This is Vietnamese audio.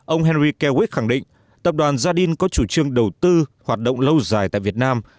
ông henry kewik khẳng định tập đoàn jadim có chủ trương đầu tư hoạt động lâu dài tại việt nam